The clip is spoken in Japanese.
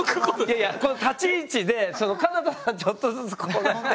いやいやこの立ち位置でかな多さんちょっとずつこうやって。